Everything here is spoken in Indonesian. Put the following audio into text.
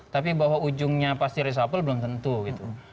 tapi bahwa ujungnya pasti reshuffle belum tentu gitu